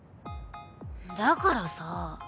だからさぁ。